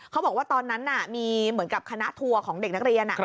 เขาบอกว่าตอนนั้นมีเหมือนกับคณะทัวร์ของเด็กนักเรียน